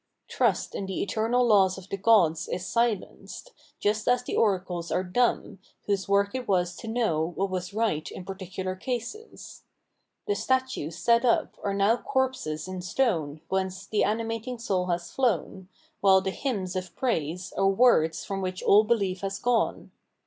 Trust in the eternal laws of the Gods is silenced, just as the oracles are dumb, whose work it was to know what was right in particular cases. The statues set up are now corpses in stone whence the animating soul has flown, while the hymns * From a iiymn of Luther. 763 Revealed Religion of praise are words from which all behef has gone.